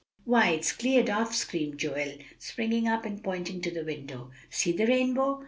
"Why, it's cleared off!" screamed Joel, springing up and pointing to the window; "see the rainbow!